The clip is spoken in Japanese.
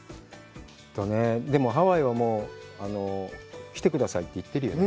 でもハワイは、もう来てくださいって言っているよね。